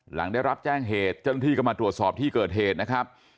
หลังได้รับแจ้งเหตุเจ้าหน้าที่ก็มาตรวจสอบที่เกิดเหตุนะครับ